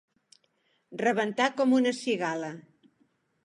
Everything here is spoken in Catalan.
Rebentar com una cigala.